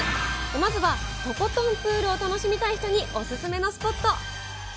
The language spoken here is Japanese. まずはとことんプールを楽しみたい人にお勧めのスポット。